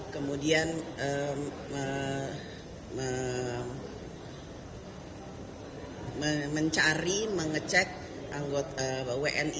kemudian mencari mengecek anggota wni